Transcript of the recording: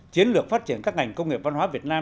chiến lược phát triển các ngành công nghiệp văn hóa việt nam